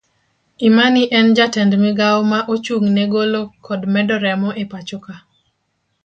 Imani en jatend migawo ma ochung ne golo kod medo remo epachoka.